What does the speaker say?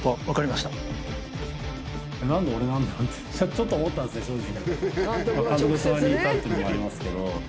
ちょっと思ったんですね正直。